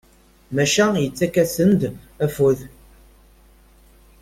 Maca yettak-asen-d afud.